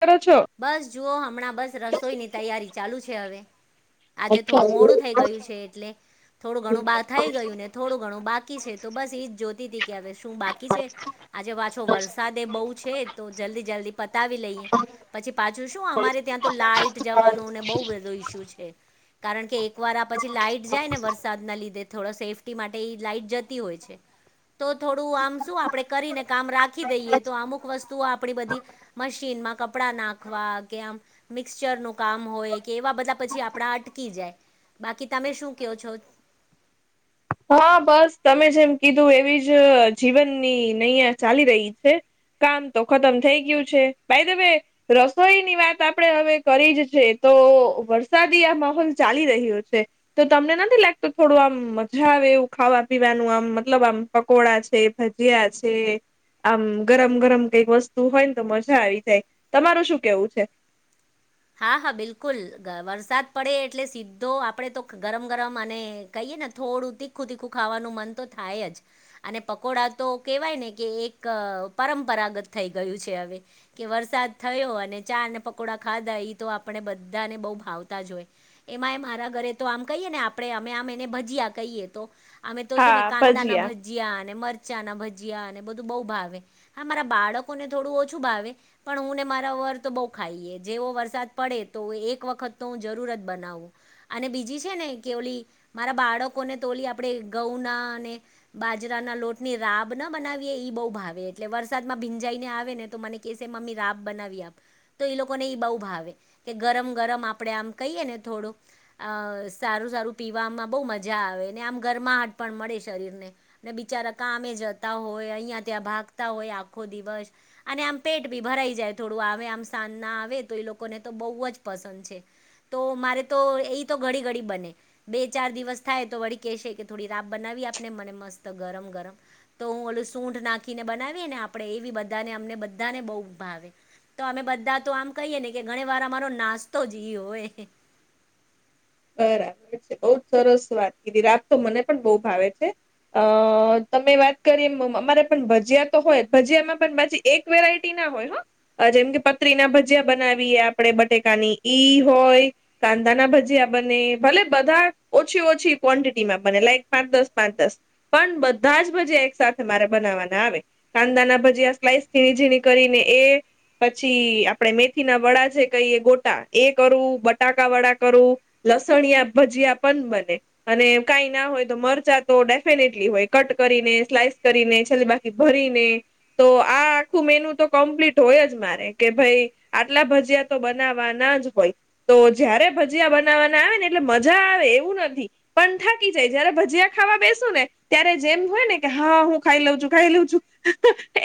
કરો છો. બસ જુઓ હમણાં બસ રસોઈની તૈયારી ચાલુ છે હવે. આજે થોડું મોડું થઈ ગયું છે એટલે થોડું ઘણું બહાર થઈ ગયું ને. થોડું ઘણું બાકી છે તો બસ ઈજ જોતી હતી કે હવે શું બાકી. બા છે આજે પાછો વરસાદ એ બહુ છે તો જલ્દી જલ્દી પતાવી લઈએ. પછી પાછું શું અમારે ત્યાં તો લાઈટ જવાનું અને બહું બધો ઈસ્યુ છે. કારણ કે એક વાર આ પછી લાઈટ જાય ને વરસા. સાદ ના લીધે થોડા સેફ્ટી માટે ઈ લાઈટ જતી હોય છે. તો થોડું આમ શું આપણે કરીને કામ રાખી દઈએ તો અમુક વસ્તુઓ આપણી બધી. મશીનમાં. કપડાં નાખવા કે આમ મિક્ચર નું કામ હોય કે એવા બધા પછી આપડા અટકી જાય. બાકી તમે શું કયો છો. હા બસ તમે જેમ કીધું એવી જ જીવનની નૈયા ચાલી રહી છે. કામ તો ખતમ થઈ ગયું છે બાયધવે. રસોઈની વાત આપડે હવે કરી જ છે તો વરસાદી આ માહોલ ચાલી રહ્યો છે. તો તમને નથી લાગતું થોડું આમ. આવે એવું ખાવા પીવાનું આમ મતલબ આમ પકોડા છે ભજીયા છે. આમ ગરમ ગરમ કઈક વસ્તુ હોય ને તો મજા આવી જાય તમારુ શું કેવું છે. હા હા બિલકુલ વરસાદ પડે એટલે સીધો આપણે તો ગરમ ગરમ અને. કહીએ ને થોડું તીખું તીખું ખાવાનું મન તો થાય જ. અને પકોડા તો કેહેવાય ને કે એક પરંપરાગત થઈ ગયું છે હવે. કે વરસાદ થયો અને ચા અને પકોડા ખાધા ઈ તો આપણે બધાને બઉ ભાવતા જ હોય. એમાં એ મારા ઘરે તો આમ કહીએ ને આપણે અમે આમ એને ભજીયા કહીએ તો. અમે તો છે ને કાંદાના ભજીયા અને મરચાંના ભજીયા અને બધું બહુ ભાવે. હા મારા બાળકો ને થોડું ઓછું ભાવે પણ હું ને મારા વર તો બઉ ખાઈએ. જેવો વરસાદ પડે તો એક વખત તો હું જરૂર જ બનાવું. અને બીજી છે ને કે ઓલી મારા બાળકોને તો ઓલી આપણે ગઉં ના અને. બાજરાના લોટની રાબ ના બનાવીએ ઈ બહુ ભાવે એટલે વરસાદમાં ભીંજાઈને આવે ને તો મને. કેસે મને રાબ બનાવી આપ તો એ લોકો. લોકોને એ બહુ ભાવે કે ગરમ ગરમ આપડે આમ કહીએ ને થોડું. અ સારું સારું પીવામાં બહુ મજા આવે આમ ગરમા હાટ પણ મળે શરીરને. અને બિચારા કામે જતા હોય અહિયાં ત્યાં ભાગતા હોય આખો દિવસ. અને આમ પેટ ભી ભરાઈ જાય થોડું આવે આમ સાંજ ના આવે તો એ લોકોને તો બહુ જ પસંદ છે. તો મારે તો ઈ તો ઘડી ઘડી બને. બે ચાર દિવસ થાય તો વળી કહેશે કે થોડીક રાબ બનાવી આપ ને મને મસ્ત ગરમ-ગરમ. તો હું ઓલું સૂંઠ નાખીને બનાવીએ ને આપણે એવી બધાને અમને બધાને બહુ ભાવે. તો અમે બધા તો આમ કહીએ ને કે ઘણીવાર અમારો નાસ્તો જ ઈ હોય. બરાબર છે. બઉ જ સરસ વાત કીધી. રાબ તો મને પણ બઉ ભાવે છે. અહ તમે વાત કરી એમ અમારે પણ ભજીયા તો હોય જ. ભજીયા માં પણ પછી એક વેરાયટી ના હોય હા. અહ જેમ કે પત્રી ના ભજીયા બનાવીએ આપણે બટેકાની ઈ હોય. કાંદા ના ભજીયા [unintelligible] મને ભલે બધા ઓછી-ઓછી ક્વોન્ટિટીમાં બને, લાઈક પાંચ દસ, પાંચ દસ. પણ બધા જ ભજીયા એક સાથે મારે બનાવવાના આવે. કાંદા ના ભજીયા સ્લાઈસ ઝીણી-ઝીણી કરીને એ પછી આપણેે મેથી ના વડા જે કહીએ ગોટા એ કરું, બટાકા વડા કરું લસણિયા ભજીયા પણ બને. અને કાંઈ ના હોય તો મરચા તો ડેફિનેટલી હોય, કટ કરીને સ્લાઈસ કરીને છેલ્લે બાક કી ભરીને તો આ આખું મેનુ તો કમ્પ્લીટ હોય જ મારે, કે ભઈ આટલા ભજીયા તો બનાવવાના જ હોય. તો જયારે ભજીયા બન નાવવાના આવે ને એટલે મજા આવે એવું નથી, પણ થાકી જાય, જયારે ભજીયા ખાવા બેસુ ને ત્યારે જેમ હોય ને કે હા હું ખાઈ લઉં છું, ખાઈ લઉં છું,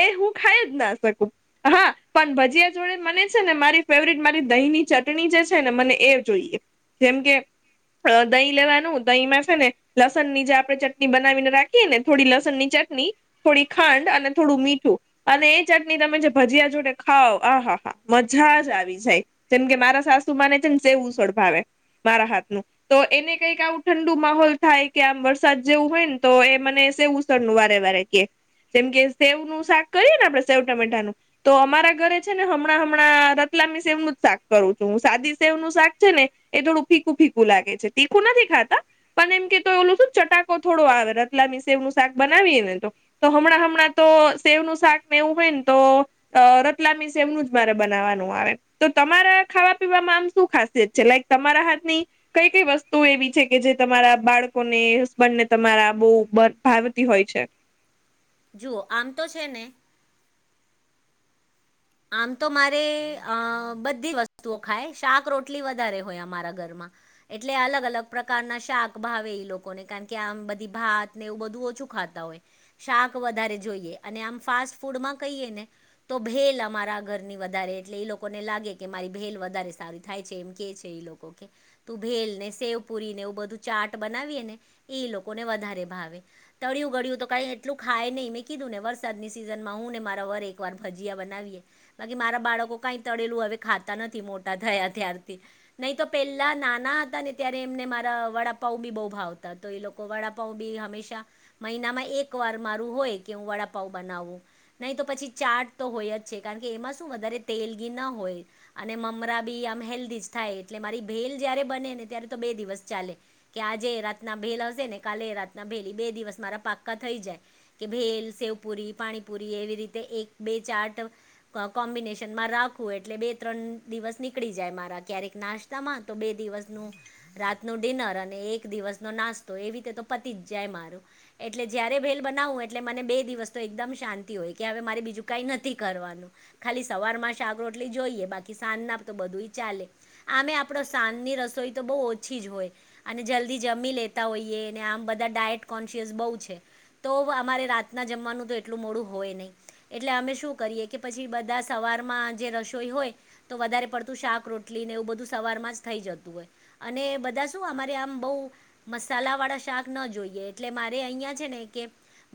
એ હું ખાઈ જ ના શકું. હા. પણ ભજીયા જોડે મને છે ને મારી ફેવરિટ મારી દહીંની ચટણી જે છે ને મને એ જોઈએ. જેમ કે દહીં લેવાનું, દહીંમાં છે ને લસણ ની જે આપણે ચટણી બનાવીને રાખીએ ને, થોડી લસણ ની ચટણી. થોડી ખાંડ અને થોડું મીઠું અને એ ચટણી તમે જે ભજીયા જોડે ખાઓ, આહા-આહા! મજા જ આવી જાય. જેમ કે મારા સાસુમાંને છે ને સેવ ઉસળ ભાવે મારા હાથ નુ. તો એને કંઈક આવું ઠંડુ માહોલ થાય કે આમ વરસાદ જેવું હોય ને તો એ મને સેવ ઉસ નું વારે-વારે કહે. જેમ કે સેવ નું શાક કરીએ ને આપડણે સેવ ટમેટાનું તો અમારા ઘરે છે ને હમણાં-હમણાં રતલામી સેવનું જ શાક કરું છું. હું સાદી સેવનું શાક છે ને એ થોડુંક ફીકું-ફીકું લાગે છે. તીખું નથી ખાતા પણ એમ કે તોય ઓલું શું ચટાકો થોડો આવે, રતલામી સેવ નું શાક બનાવીએ ને તો. તો હમણાં-હમણાં તો સેવનું શાક ને એવું હોય ને તો અહ રતલામી સેવ નું જ મારે બનાવવાનું આવે. તો તમારા ખાવા પીવામાં આમ શું ખાસિયત છે? લાઈક તમારા હાથની કંઈ-કંઈ વસ્તુ એવી છે કે જે તમારા બાળકો ને, હસબન્ડ ને તમારા બહુ બ ભાવતી હોય છે? જુઓ આમ તો છે ને આમ તો મારે અહ બધી જ વસ્તુઓ ખાય. શાક રોટલી વધારે હોય અમારા ઘરમાં. એટલે અલગ-અલગ પ્રકારના શાક ભાવે ઈ લોકોને. કારણ કે આમ બધી ભાત ને એવું બધું ઓછું ખાતા હોય. શાક વધારે જોઈએ. અને આમ ફાસ્ટ ફૂડમાં કહીએ ને તો ભેલ મારા ઘરની વધારે એટલે ઈ લોકોને લાગે કે મારી ભેલ વધારે સારી થાય છે એમ કે છે ઈ લોકો કે તું ભેલ, ને સેવ પુરી ને એવું બધું ચાટ બનાવીએ ને એ ઈ લોકોને વધારે ભાવે. તળિયું ગળ્યું તો કાંઈ એટલું ખાય નહીં. મેં કીધું ને વરસાદની સિઝનમાં હું ને મારા વર એકવાર ભજીયા બનાવીએ. બાકી મારા બાળકો કાંઈ તળેલું હવે ખાતા નથી મોટા થયા ત્યારથી. નહીં તો પેલા નાના હતા ને ત્યારે એમને મારા વડાપાઉ બી બહુ ભાવતા. તો ઈ લોકો વડાપાઉં બી હંમેશા, મહિનામાં એક વાર મારું હોય કે હું વડાપાઉં બનાવું. નહીં તો પછી ચાટ તો હોય જ છે, કારણ કે એમાં શું વધારે તેલ ગી ના હોય. અને મમરા બી આમ હેલ્ધી જ થાય, એટલે મારી ભેલ જયારે બને ને ત્યારે તો બે દિવસ ચાલે. કે આજે એ રાતના ભેલ હશે ને કાલે એ રાતના ભેલ, ઈ બે દિવસ મારા પાક્કા થઈ જાય. કે ભેલ, સેવપુરી, પાણીપુરી, એવી રીતે એક-બે ચાર્ટ ક કોમ્બિનેશન માં રાખવું, એટલે બે-ત્રણ દિવસ નીકળી જાય મારા. ક્યારેક નાસ્ તામાં તો બે દિવસનું રાત નુ ડિનર અને એક દિવસનો નાસ્તો એવી રીતે તો પતિ જ જાય મારું. એટલે જ્યારે ભેલ બનાવું એટલે મને બે દિવસ તો એકદમ શાંતિ હોય કે હવે મારે બીજું કંઈ નથી કરવા નું ખાલી સવાર માં શાક રોટલી જોઈએ બાકી સાંજ ના તો બધુંય ચાલે. આમે આપડો સાંજની રસોઈ તો બહુ ઓછી જ હોય. અને જલ્દી જમી લેતા હોઈએ અને આમ બધા ડાયટ કોન્શિયસ બહુ છે. તોવ અમારે રાતના જમવાનું તો એટલું મોડું હોય નહીં એટલે અમે શું કરીએ કે પછી બધા સવારમાં જે રસોઈ હોય તો વધારે પડતું શાક રોટલી ને એવું બધું સવાર માં જ થઈ જતું હોય. અને બધા શું અમારે આમ બઉ મસાલા વાળા શાક ન જોઈએ એટલે મારે અહિયાં છે ને કે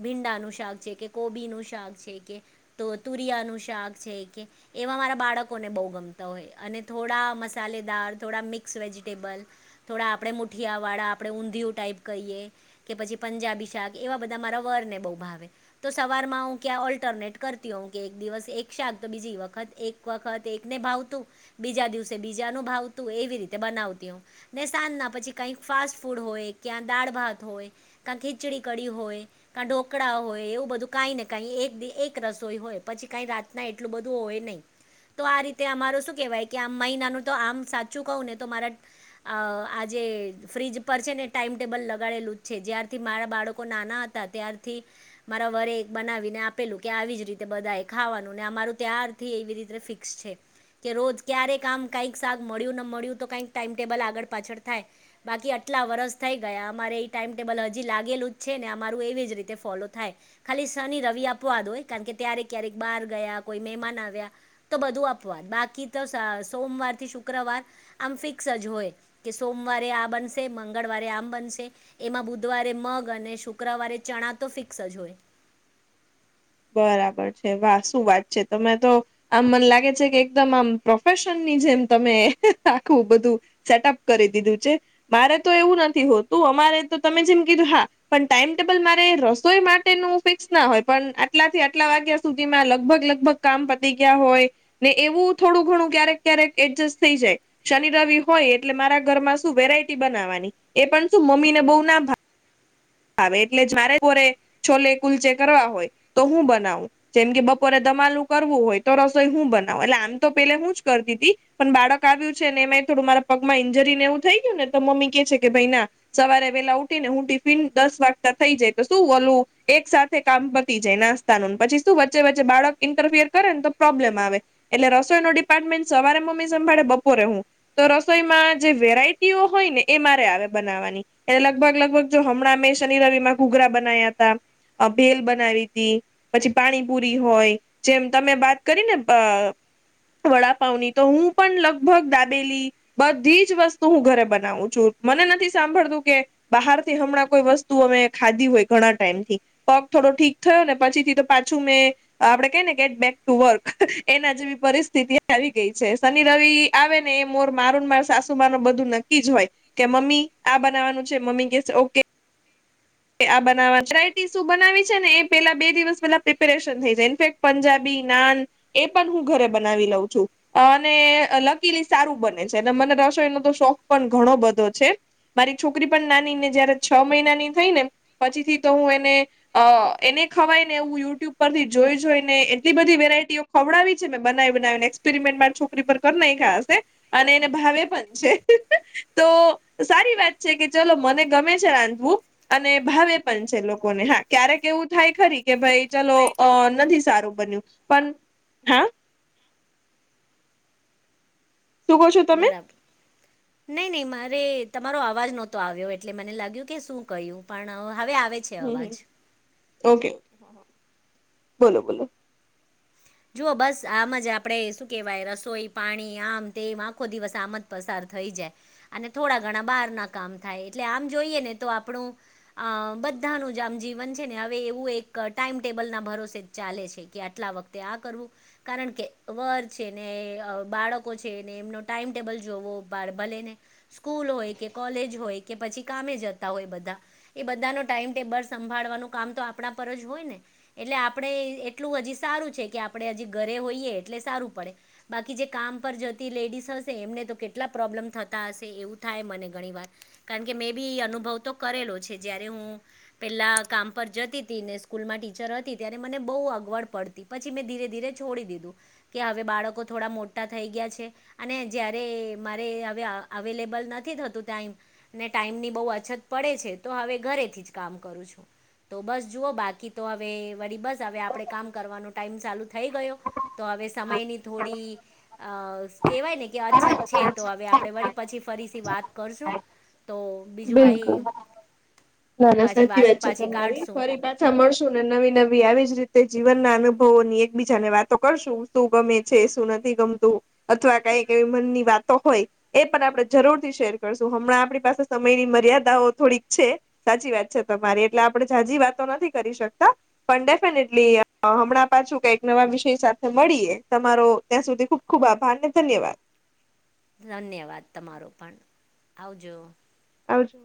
ભીંડાનું શાક છે કે, કોબી નું શાક છે કે, તો તુરિયાનું શાક છે કે એવા મારા બાળકોને બહુ ગમતા હોય અને થોડા મસાલેદાર થોડા મિક ક્સ વેજિટેબલ થોડા આપડે મુઠિયાવાળા આપડે ઊંધિયું ટાઈપ કહીએ. કે પછી પંજાબી શાક એવા બધા મારા વરને બહુ ભાવે. તો સવારમાં હુ કેયા ઓલ્ટરનેટ કરતી હોઉ. કે એક દિવસ એક શાક તો બીજી વખત એક વખત એકને ભાવતું બીજા દિવસે બીજા નું ભાવ તું એવી રીતે બનાવતી હઉ. ને સાંજના પછી કઈક ફાસ્ટ ફૂડ હોય, ક્યાં દાળ ભાત હોય કા ખીચડી કડી હોય, કા ઢોકળા હોય એવું બધું કાંઈ ને કાંઈ એક દી એક રસોઈ હોય. પછી કાંઈ રાતના એટલું બધું હોય નહીં. તો આ રીતે અમારો શું કેહેવાય કે આમ મહિનાનું તો આમ સાચું કહું ને તો મારા અ આજે ફ્રીજ પર છે ને ટાઈમટેબલ લગાડેલું જ છે જ્યારથી મારા બાળકો નાના હ તા ત્યારથી મારા વરે એક બનાવીને આપેલું કે આવી જ રીતે બધાય ખાવાનું ને અમારે ત્યારથી એવી રીતે ફિક્સ છે. કે રોજ ક્યારે કામ કઈક સાક મળ્યું ન મળ્યું તો કઈક ટાઈમ ટેબલ આગળ પાછળ થાય. બાકી આટલા વરસ થઈ ગયા અમારે એ ટાઈમટેબલ હજી લાગેલું જ છે ને અમારું એવી જ રીતે ફોલો થાય. ખાલી શની, રવિ અપવાદ હોય કારણ કે ત્યારેક ક્યારેક બહાર ગયા, કોઈ મહેમાન આવ્યા. તો બધું અપવાદ બાકી તો સા સોમવાર થી શુક્રવાર આમ ફિક્સ જ હોય. કે સોમવારે આ બનશે, મંગળવારે આમ બનશે એમાં બુધવારે મગ અને શુક્રવારે ચણા તો ફિક્સ જ હોય. બરાબર છે વાહ શું વાત છે તમે તો આમ મને લાગે છે કે એકદમ આમ પ્રોફેશનની જેમ તમે આખું બધું સેટઅપ કરી દીધું છે મારે તો એવું નથી હોતું અમારે તો તમે જેમ કીધું હા પન ટાઈમ ટેબલ મારે રસોઈ માટેનું ફિક્સ ના હોય પન આટલાથી આટલા વાગ્યા સુધીમાં લગભગ લગભગ કામ પતી ગયા હોય ને એવું થોડું ઘણું ક્યારેક ક્યારેક એડજસ્ટ થઈ જાય. શનિ, રવિ હોય એટલે મારા ઘર માં શું વેરાયટી બનાવવાની એ પણ શું મમ્મીને બહુ ના ભા ભાવે એટલે જ હોરે મારે છોલે કુલચે કરવા હોય તો હું બનાવું. જેમ કે બપોરે દમાલું કરવું હોય તો રસોઈ શું બનાવ એટલે આમ તો પેલે હું જ કરતી તી. પન બાળક આવ્યું છે ને એમાંય થોડું મારા પગમાં ઈન્જરી ને એવું થઈ ગ્યું ને તો મમ્મી કે છે કે ભઈ ના સવારે વેલા ઉઠી ને હું ટિફિન દસ વાગતા થઈ જાય તો શું ઓલું એક સાથે કામ પતી જાય નાસ્તાનુંન પછી શું વચ્ચે વચ્ચે બાળક ઇન્ટરફિયર કરે ને તો પ્રોબ્લેમ આવે એટલે રસોઈનો ડિપાર્ટમેન્ટ સવારે મમ્મી સંભાળે બપોરે હું તો રસોઈમાં જે વેરાયટીઓ હોય ને એ મારે આવે બનાવવાની એટલે લગભગ લગભગ જો હમણાં અમે શનિ રવિ માં ઘૂઘરા બનાયાતા, અ ભેલ બનાવી તી પછી પાણીપુરી હોય જેમ તમે બાત કરીને ભ વડાપાવની તો હું પણ લગભગ દાબેલી બધી જ વસ્તુ હું ઘરે બનાવું છું મને નથી સાંભળતું કે બહારથી હમણાં કોઈ વસ્તુ અમે ખાધી હોય ઘણા ટાઈમ થી પગ થોડો ઠીક થયો ને પછી થી તો પાછું મેં આપડે કઈ ને ગેટ બેક ટુ વર્ક એના જેવી પરિસ્થિતિ આવી ગઈ છે શનિ રવિ આવે ને એ મોર મારુંન માર સાસુમાનૂ બધું નક્કી જ હોય. કે મમ્મી આ બનાવાનું છે મમ્મી કે ઓકે આ બનાવા વેરાયટી શું બનાવી છે ને એ પેલા બે દિવસ પેલા પ્રિપેરેશન થઈ જાય ઇફેક્ટ પંજાબી, નાન એ પણ હું ઘરે બનાવી લઉં છું. અને લકીલી સારું બને છે અને મને રસોઈનો તો શોખ પણ ઘણો બધો છે. મારી છોકરી પણ નાની ને જયારે છ મહિનાની થઈ ને પછી થી તો હું એને અ એને ખવાય ને એવું યુટ્યુબ પરથી જોઈ જોઈ ને એટલી બધી વેરાયટીઓ ખવડાવી છે મેં બનાવી બનાવીને એક્પેરિમેન્ટ મારી છોકરી પર કર નાંયખા હશે અને એને ભાવે પણ છે તો સારી વાત છે કે ચલો મને ગમે છે રાંધવું અને ભાવે પણ છે લોકોને હા ક્યારેક એવું થાય ખરી કે ભાઈ ચલો અ નથી સારું બન્યું પણ હા શું કહો છો તમે બરાબર. નહી નહી મારે તમારો અવાજ નહતો આવ્યો એટલે મને લાગ્યું કે શું કહ્યું પણ હવે આવે છે હમ્મ અવાજ હમ્મ ઓકે બોલો બોલો જુઓ બસ આમ જ આપણે શું કેહેવાય રસોઈ પાણી આમ તેમ આખો દિવસ આમ જ પસાર થઈ જાય અને થોડા ઘણા બહાર ના કામ થાય એટલે આમ જોઈએ ને તો આપણું અ બધાનું જ આમ જીવન છે ને હવે એવું એક ટાઈમ ટેબલ ના ભરોસે જ ચાલે છે કે આટલા વખતે આ કરવું કારણ કે વર છે ને બાળકો છે ને એમનો ટાઈમટેબલ જોવો ભલેને સ્કૂલ હોય કે કોલેજ હોય કે પછી કામે જતા હોય બધા એ બધાનો ટાઈમ ટેબલ સંભાળવાનું કામ તો આપણા પર જ હોય ને એટલે આપણે એટલું હજી સારું છે કે આપણે હજી ઘરે હોઈએ એટલે સારું પડે. બાકી જે કામ પર જતી લેડીસ હશે એમને તો કેટલા પ્રોબ્લેમ થતા હશે એવું થાય મને ઘણી વાર. કારણ કે મેં બી અનુભવ તો કરેલો છે જય્યારે હું પહેલાં કામ પર જતી હતી ને સ્કૂલમાં ટીચર હતી ત્યારે મને બહુ અગવડ પડતી પછી મેં ધીરે ધીરે છોડી દીધું કે હવે બાળકો થોડા મોટા થઈ ગયા છે. અને જયારે મારે હવે અવેલેબલ નથી થતું ટાઈમ ને ટાઈમ ની બહુ અછત પડે છે તો હવે ઘરેથી જ કામ કરું છું. તો બસ જુઓ બાકી તો હવે વરી બસ હવે આપણેે કામ કરવાનું ટાઈમ ચાલુ થઈ ગયો તો હવે સમયની થોડી કહેવાય ને કે અછત છે તો હવે આપણે વરી પછી ફરીથી વાત કરશું તો બીજું બિલકુલ કાઈ ના ના સાચી વાત છે તમારી ફરી વાત સાંભળશું ને નવી નવી આવી જ રીતે જીવનના અનુભવો ની એકબીજા ને વાતો કરશું. શું ગમે છે શું નથી ગમતું અથવા કઈક એવી મનની વાતો હોય એ પણ આપણે જરૂરથી શેર કરશું હમણાં આપણી પાસે સમયની મર્યાદાઓ થોડીક છે. સાચી વાત છે તમારી એટલે આપણે જાજી વાતો નથી કરી શકતા. પણ ડેફિનેટલી હમણાં પાછું કઈક નવા વિષય સાથે મળીએ તમારો ત્યાં સુધી ખૂબ ખૂબ આભારને ધન્યવાદ. ધન્યવાદ તમારો પણ આવજો. આવજો.